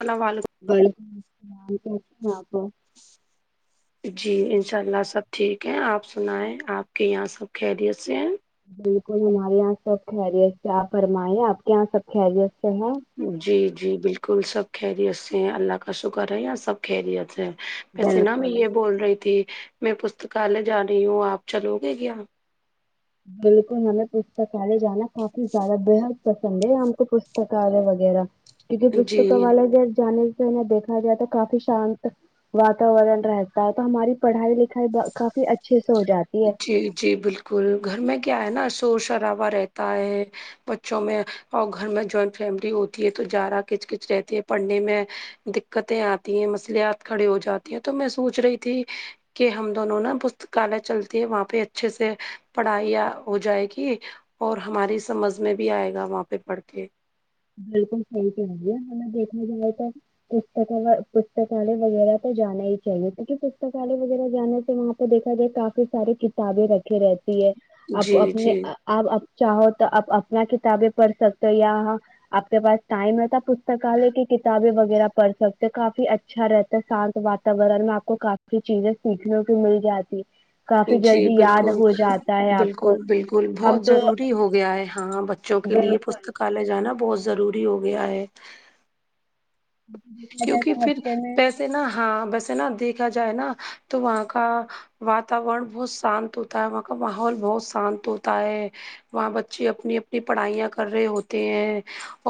اللہ علم وعلیکم السلام کیسی ہیں آپ جی انشاء اللہ سب ٹھیک ہے آپ سنائیں آپ کے یہاں سب خیریت سے ہیں بالکل ہمارے یہاں سب خیریت سے آپ فرمائیں آپ کے یہاں سب خیریت سے ہیں جی جی بالکل سب خیریت سے اللہ کا شکر ہے یا سب خیریت سے ویسے ن میں بالکل یہ بول رہی تھی میں پستکالیہ جا رہی ہوں آپ چلو گے کیا بالکل ہمیں پستکالیہ جانا کافی زیادہ بےحد پسند ہے ہم کو پستکالیہ وغیرہ کیونکہ پستک جی والا ج جانے سے دیکھا جائے تو کافی شانت واتاورن رہتا ہے تو ہماری پڑھائی لکھائی کافی اچھے سے ہو جاتا جی جی بالکل گھر میں کیا ہے نا شور شرابا رہتا ہے بچوں میں اور گھر میں جوائنٹ فیملی ہوتی ہے تو ج رہا کچ کچ رہتی ہے پڑھنے میں دقتیں آتی ہیں مسلیات کھڑے ہو جاتی ہیں تو میں سوچ رہی تھی کہ ہم دونوں نا پستکالے چلتی ہے وہاں پہ اچھے سے پڑھائی یا ہو جائے گی اور ہماری سمجھ میں بھی آئے گا وہاں پہ پڑھ کے بالکل صحی فرمایا میں دیکھا جائے تو پستکالیہ وغیرہ تو جانا ہی چاہیے کیونکہ پستکالیہ وغیرہ جانے سے وہاں تو دیکھا جائے کافی سارے کتابیں رکھی رہتی ہے آپ جی اپنے جی آپ چاہو تو آپ اپنا کتابیں پڑھ سکتے ہو یا آپ کے پاس ٹائم رہتا پستکالے کی کتابیں وغیرہ پھ سکتے کافی اچھا رہتا شانت واتاورن میں آپ کو کافی چیزیں سیکھنے کو مل جاتی کافی جی جلدی یاد بالکل ہو جاتا ہے آپ کو بالکل بالکل ہم بہت تو ضروری ہو گیا ہے ہاں بچ بچوں کے لیے بالکل پستکالیہ جانا بہت ضروری ہو گیا ہے دیکھا جائے کیونکہ تو پھر ہفتے میں پیسے نا ہاں ویسے نا دیکھا جائے نا تو وہاں کا وا اتاورن بہت شانت ہوتا ہے وہاں کا ماحول بہت شانت ہوتا ہے وہاں بچے اپنی اپنی پڑھائیاں کر رہے ہوتے ہیں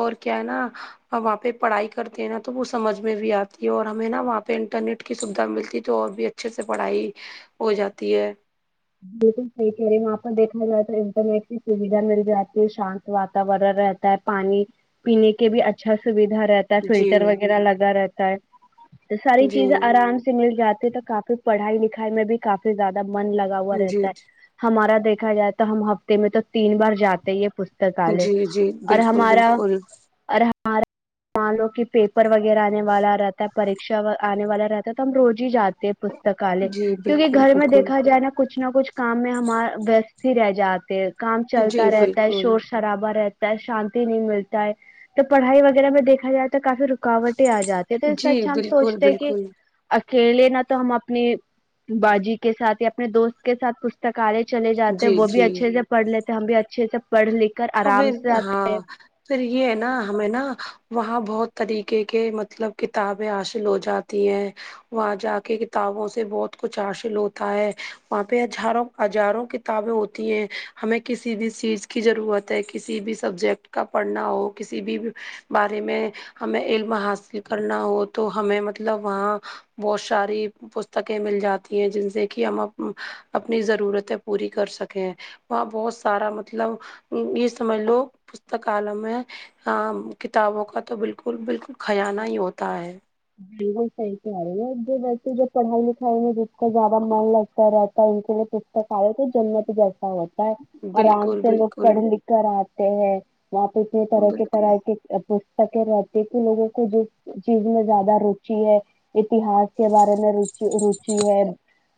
اور کیا ہے نا اور وہاں پہ پڑھائی کرتے ہیں نا تو وہ سمجھ میں بھی آتی ہے اور ہمیں نا وہاں پہ انٹرنیٹ کی سویدھا ملتی ہے تو اور بھی ا چھے سے پڑھائی ہو جاتی ہے بالکل صحی کہہ رہے وہاں پرہ دیکھا جائے تو انٹرنیھی سویدھا مل جاتی ہے شانت واتاورن رہتا پانی پینے کے بھی اچھا سویدھا رہتا جی فلٹر وغیرہ لگا رہتا ہے تو ساری جی چیزیں آرام سے مل جاتے تو کافی تو پڑھائی لکھائی میں بھی کافی زیادہ من لگا ہوا جی رہتا جی ہے ہمارا دیکھا جائے تو ہم ہفتے میں تو تین بار جاتے یہ پو کالے جی جی اور بالکل ہمارا بالکل اور ہمارا مان لو کہ پیپر وغیرہ آنے والا رہتا ہے پریکشا آنے والا رہتا ہے تو ہم روز ہی جاتے ہیں کالج جی کیونکہ بالکل گھر میں بالکل دیکھا جائے نا کچھ نہ کچھ کام میں ہمار ویست ہی رہ جاتے کام جی چلتا رہتا ہے بالکل شور شرابا رہتا شانتی نہیں ملتا ہے تو پڑھائی وغیرہ میں دیکھا جائے تو کافی رکاوٹیں آ جاتی تو اس سے جی اچھا ہم بالکل سوچتے ہیں کہ بالکل اکیلے نہ تو ہم اپنی باجی کے ساتھ یا اپنے دوست کے ساتھ پوھ کالج چلے جاتے ہیں جی وہ بھی جی اچھے سے پڑھ لیتے ہیں ہم بھی اچھے سے پڑھ لکھ کر اب آرام سے ہاں آتے ہیں پھر یہ ہے نا ہمیں نا وہاں بہت طریقے کے مطلب کتابیں حاصل ہو جاتی تی ہے وہاں جا کے کتابوں سے بہت کچھ حاصل ہوتا ہے وہاں پہ ہزاروں ہزاروں کتابیں ہوتی ہیں ہمیں کسی بھی چیز کی ضرورت کسی بھی سبجیکٹ کا پڑھنا ہو کسی بھی بارے میں ہمیں علم حاصل کرنا ہو تو ہمیں مطلب وہاں بہت ساری پستکیں مل جاتی ہیں جن سے کہ ہم اپنی ضرورتیں پوری کر سکیں وہاں بہت سارا مطلب یہ سمجھ لو پستکالم میں ہ کتابوں کا تو بالکل بالکل کھیانہ ہی ہوتا ہے جی وہ صحیح کہہ رہ ہے جو بچے جو پڑھائی لکھائی میں جس کا زیادہ من لگتا رہتا ہے ان کے لی پوسٹک تو جنمت جیسا ہوتا ہے آرام بالکل سے لوگ بالکل پڑھے لکھے کر آتے ہیں وہاں پہ اتنے طرح کی بالکل طرح کی پستکیں رہتی کہ لوگوں کو جو چیز میں زیادہ روچی ہے اتہاس کے بارے میں ر رچی ہے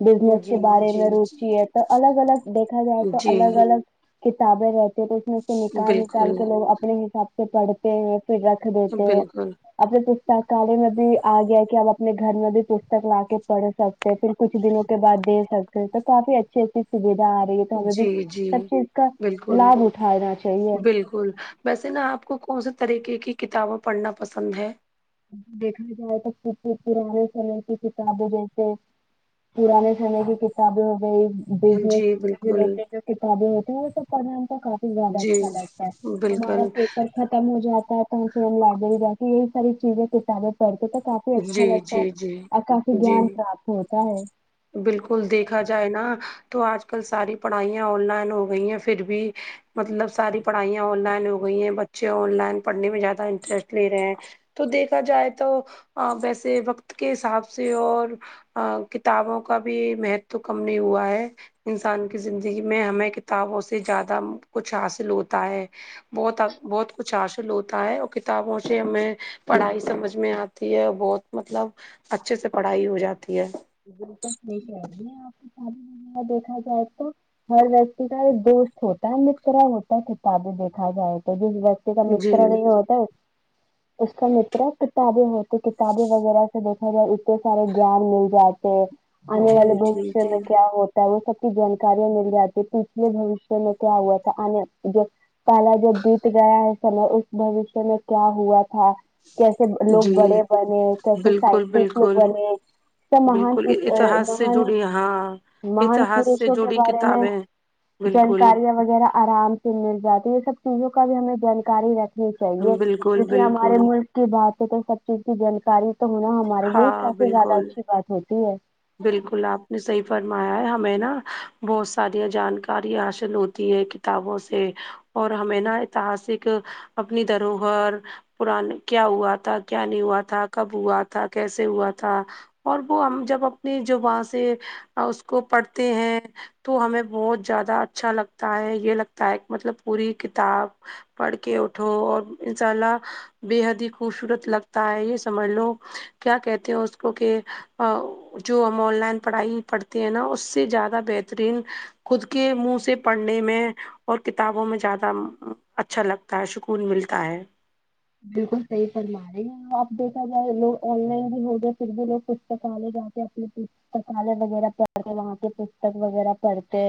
بزنس کے جی بارے جی میں روچی ہے تو الگ الگ دیکھا جائے تو جی الگ الگ کتابیں رہتی ہیں تو اس میں سے نکال نکال بالکل کے لوگ اپنے حساب سے پڑھتے ہیں پھر رکھ دیتے ہیں بالکل اپنے پستکالی میں بھی آ گیا کہ ہم اپنے گھر میں بھی پستک لا کے پڑھ سکتے پھر کچھ دنوں کے بعد دے سکتے تو کافی اچھی اچھی سویدھا آ رہی ہے بھی جی جی سب چیز کا لعاب اٹھانا چاہیے ہمم ویسے نا آپ کو کون سے طریقے کی کتابوں پڑھنا پسند ہے دیکھا جائے تو [unintelligible] سے کی کتابوں جیسے پرانے سمے کی کتابیں ہو گئی جی بزنس بالکل ریلیڈ جو کتابیں ہوتی ہیں وہ سب پڑھنے میں تو کافی زیادہ جی اچھا لگتا ہے بالکل ہمارا پیپر ختم ہو جاتا ہے تو پھر ہم لائبریری جا کے یہی ساری چیزیں کتابیں پڑھ کے تو کافی اچھا جی لگتا ہے جی جی اور کافی جی جان پراپت ہوتا ہے بالکل دیکھا جائے نا تو آج کل ساری پڑھائیاں آن لائن ہو گئی ہیں پھر بھی مطلب ساری پڑھائیاں آن لائن ہو گئی ہیں بچے آن لائن پڑھنے میں زیادہ انٹرسٹ لے رہے ہیں تو دیکھا جائے تو ویسے وقت کے حساب سے اور کتابوں کا بھی مہتو کم نہیں ہوا ہے انسان کی زندگی میں ہمیں کتابوں سے زیادہ کچھ حاصل ہوتا ہے بہت بہت کچھ حاصل ہوتا ہے اور کتابوں سے ہمیں پڑھائی سمجھ میں آتی ہے اور بہت مطلب اچھے سے پڑھائی ہو جاتی ہے وہ تو شہر نہیں ہے آپ کو سہ دیکھا جائے تو ہر ویکتی کا ایک دوست ہوتا ہے اس طرح ہوتا ہے کتابیں دیکھا جائے تو جس و کا متر جی نہیں ہوتا ہو اس کا متر کتابیں ہوتی کتابیں وغیرہ سے دیکھا جائے اتنے سارے گیان مل جاتے آنے جی والے جی بھویشہ جی میں کیا ہوتا سب کی جانکیا مل جاتی پچھلے بھویشے میں کیا ہو تھا کال جب بید گیا ہے سمے اس بھویشیہ میں کیا ہوا تھا کیسے لوگ جی بڑے بنے کیسے بالکل سائنٹسٹ بالکل بنے سب مہان بالکل اتہاس سے مہان جڑی ہاں محان اتہاس سے پوروشوں کے جڑی بارے میں کتابیں بالکل جانکاریاں وغیرہ آرام سے مل جاتی یہ سب چیزوں کا بھی ہمیں جانکاری رہتی چاہیے بالکل کیونکہ ہمارے بالکل ملک کی بات سے تو سب چیز کی جانکاری تو ہونا ہمارے نہیں ہاں کافی زیادہ بالکل اچھی بات ہوتی ہے بالکل آپ نے صحیح فرمایا ہے ہمیں نا بہت ساریا جانکاریاں حاصل ہوتی ہے کہ کتابوں سے اور ہمیں نا اتحاسک اپنی دروہر پورن کیا ہوا تھا کیا نہیں ہوا تھا کب ہوا تھا کیسے ہوا تھا اور وہ ہم جب اپنی جو وہاں سے اس کو پڑھتے ہیں تو ہمیں بہت زیادہ اچھا لگتا ہے یہ لگتا ہے کہ مطلب پوری کتاب پڑھ کے اٹھو اور انشاء اللہ بے حد ہی خوبصورت لگتا ہے یہ سمجھ لو کیا کہتے ہیں اس کو کہ جو ہم آن لائن پڑھائی پڑھتے ہیں نا اس سے زیادہ بہترین خود کے منہ سے پڑھنے میں اور کتابوں میں زیادہ اچھا لگ کا سکون ملتا ہے بالکل صحیح فرما رہے ہیں آپ دیکھا جائے لوگ آن لائن بھی ہو گیا پھر بھی لوگ پستکالے جاتے اپنے پستکال وغیرہ پڑھتے وہاں پہ پستک وغیرہ پڑھتے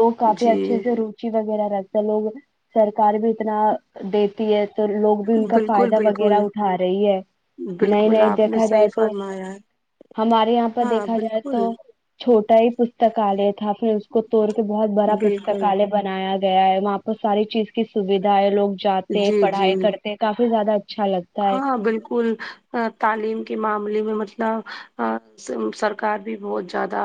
وہ کافی جی اچھے سے رکھے وغیرہ رہتا لوگ سرکار بھی اتنا دیتی ہے تو لوگ بھی ان کا بالکل فائدہ وغیرہ بالکل اٹھا رہی ہے نئے بالکل نئے آپ نے دیکھا جائے صحیح تو فرمایا ہے ہمارے یہاں پر ہاں دیکھا جائے تو بالکل چھوٹا ہی پستکالیہ تھا پھر اس کو توڑ کے بہت بڑا بالکل پستکالیہ بنایا گیا ہے وہاں پر ساری چیز کی سویدھا ہے لوگ جاتے ہیں جی پڑھائی جی کرتے یہ کافی زیادہ اچھا لگ ہاں بالکل تعلیم کے معاملے میں مطلب سرکار بھی بہت زیادہ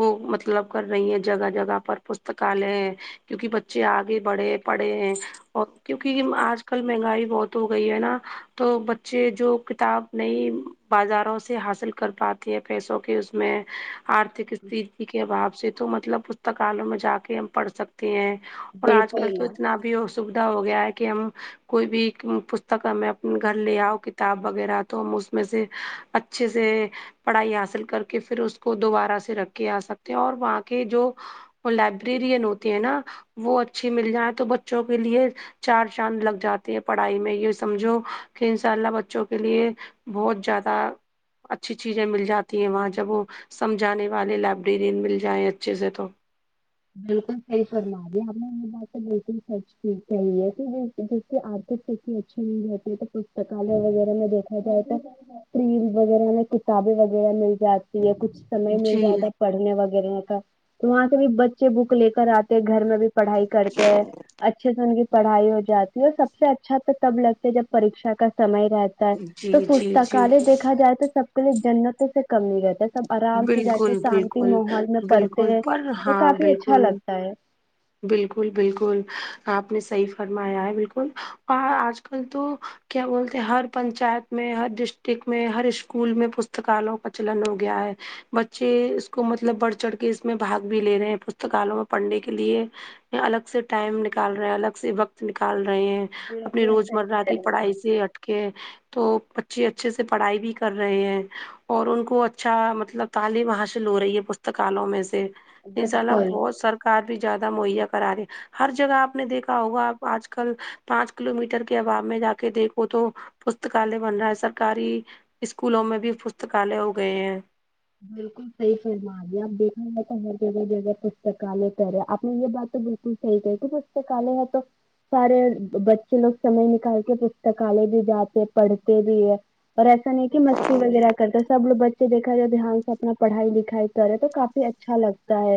وہ مطلب کر رہی ہیں جگہ جگہ پر پستکالے کیونکہ بچے آگے بڑھے پڑھے ہیں اور کیونکہ آج کل مہنگائی بہت ہو گئی ہے نا تو بچے جو کتاب نئی بازاروں سے حاصل کر پاتے ہیں پیسوں کے اس میں آرتھک است کے بعد سے تو مطلب پستکالوں میں جا کے ہم پڑھ سکتے ہیں اور آج کل بالکل تو اتنا بھی سویدھا ہو گیا ہے کہ ہم کوئی بھی پستک ہمیں گھر لے آؤ کتاب وغیرہ تو ہم اس میں سے اچھے سے پڑھائی حاصل کر کے پھر اس کو دوبارہ سے رکھ کے آ سکتے ہیں اور وہاں کے جو وہ لائبریرین ہوتے ہیں نا وہ اچھی مل جائے تو بچوں کے لیے چار چاند لگ جاتے ہے پڑھائی میں یہ سمجھو کہ ان شاء اللہ بچوں کے لیے بہت زیادہ اچھی چیزیں مل جاتی ہیں وہاں جب وہ سمجھانے والے لائبریرین مل جائیں اچھے سے تو بالکل صحیح فرمایا آپ نے یہ بات تو بالکل سچ ہی کہی ہے جی جس کی آرتک استیتی اچھی نہیں رہتی ہے تو پستکالیہ وغیرہ میں دیکھا جائے تو ریل وغیرہ میں کتابیں وغیرہ مل جاتی ہے کچھ سمے مل جی جاتا ہے پڑھنے وغیرہ کا تو وہاں سے بھی بچے بک لے کر آتے گھر میں بھی پڑھائی کرتے ہیں اچھے سے ان کی پڑھائی ہو جاتی ہے سب سے اچھا تو تب لگتے جب پریکشا کا سمے رہتا جی تو جی جی پستکالے دیکھا جائے تو سب کے لیے جنتوں سے کم نہیں رہتا ہے سب آرام سے جاتے بالکل شانتی بالکل ماحول میں پڑھتے بالکل پر ہاں بالکل ہیں بالکل بالکل آپ نے صحیح فرمایا ہے بالکل اور آج کل تو کیا بولتے ہیں ہر پنچایت میں ہر ڈسٹک میں ہر اسکول میں پستکالوں کا چلن ہو گیا ہے بچے اس کو مطلب بڑھ چڑھ کے اس میں باگ بھی لے رہے ہیں پستکالوں میں پڑھنے کے لیے الگ سے ٹائم نکال رہے ہیں الگ سے وقت نکال رہے ہیں اپنی بالکل روز صحیح مرہ کہہ کی رہی ہیں پڑھائی سے ہٹ کے تو بچے اچھے سے پڑھائی بھی کر رہے ہیں اور ان کو اچھا مطلب تعلیم حاصل ہو رہی ہے پستکالوں میں سے آپ ان شاء اللہ بالکل بہت سرکار بھی موہیا کراری ہر جگہ آپ نے دیکھا ہوگا آج کل پانچ کلو میٹر کے اباب میں جا کے دیکھو تو پستکالیہ بن رہا ہے سرکاری اسکولوں میں بھی پستکالیہ ہو گئے ہیں بالکل صحی فرما گیا اب دیکھا جائے تو ہر جگہ جگہ پستکالیہ کر ہے آپ نے یہ بات تو بالکل صحی کہی تو کالے ہے تو سارے بچے لوگ سمے نکال کے پستکالے بھی جاتے ہیں پڑھتے بھی ہے اور ایسا نہیں کہ مستی وغیرہ کرتا ہے سب لگ بچے دیکھا جائے دھیان اپنی پڑھائی لکھائی کرے تو کافی اچھا لگتا ہے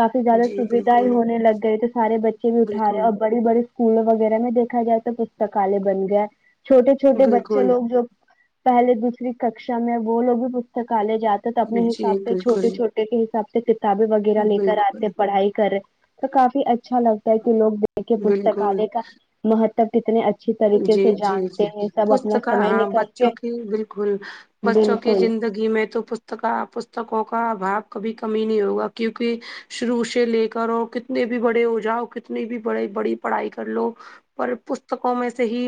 کافی جی زیادہ جی سویدھا ہی بالکل ہونے لگ گئی تو سارے بچے بھی اٹھا رہے بالکل اب بڑی بڑی اسکول وغیرہ میں دیکھا جائے تو پستکالیہ بن گیا چھوٹے چھوٹے بچے بالکل لوگ جو پہلے دوسری ککشا میں وہ لوگ بھی پستکالے جاتے اپنے جی حساب سے بالکل چھوٹے چھوٹے کے حساب سے کتابیں وغیرہ لے کر آتے بالکل ہیں پڑھائی کر تو کافی اچھا لگتا ہے کہ لوگ کے بالکل پستکالے کا مہتب کتنے اچھی طریقے جی سے جی جانتے جی ہیں سب اپنا پستک سمے ہاں نکال کے بچوں کی بالکل بچوں کی بالکل زندگی میں تو پستک پستکوں کا ابھاؤ کبھی کمی نہیں ہوگا کیوںکہ شروع سے لے کر اور کتنے بھی بڑے ہو جاؤ کتنی بھی بڑے بڑی پڑھائی کر لو پر پستکوں میں سے ہی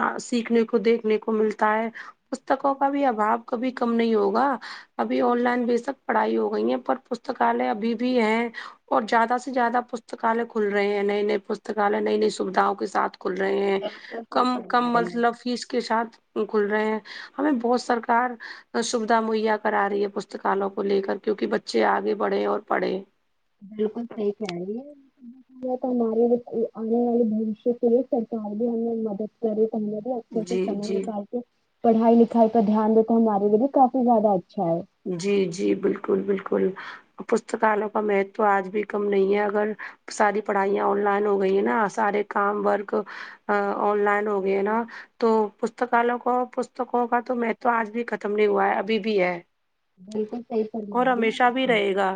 ا سیکھنے کو دیکھنے کو ملتا ہے پستکوں کا بھی ابھاؤ کبھی کم نہیں ہوگا ابھی آن لائن بےشک پڑھائی ہو گئی ہے پر پستکالے ابھی بھی ہے اور زیادہ سے زیادہ پستکالے کھل رہے ہیں نئے نئے پستکالے نئی نئی سویدھاں کے ساتھ ک کھل رہے ہیں بالکل صحیح کم فرما کم رہے ہیں مطلب فیس کے ساتھ کھل رہے ہیں ہمیں بہت سرکار سویدھا مہیا کرا رہی ہے پستکالوں کو لے کر کیونکہ بچے آگے بڑھے اور پڑھے بالکل صحی کہہ رہے ہے بہت ہمارے آنے والے بوشیہ کے لیے سرکار بھی ہمیں مدد کرے اچھے سے جی سمے جی نکال کے پڑھائی لکھائی پر دھیان دیتا ہمارے لیے بھی کافی زیادہ اچھا ہے جی جی بالکل بالکل پستکالوں کا مہتو آج بھی کم نہیں ہے اگر ساری پڑھائیاں آن لائن ہو گئی ہیں نا سارے کام ورک ا آن لائن ہو گئے نا تو پستکالوں کو پستکوں کا تو مہتو آج بھی ختم نہیں ہوا ہے ابھی بھی ہے بالکل سہی اور فرمارہی ہے ہمیشہ بھی بلکل رہے گا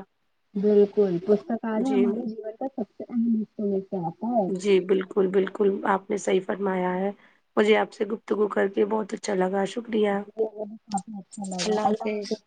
بالکل پستکالے جی ہمارے جیوں کا سب [inaudible] جی بالکل بالکل آپ نے صحیح فرمایا ہے مجھے آپ سے گپتگو کر کے بہت اچھا لگا شکر کافی اچھا لگا اللہ حافظ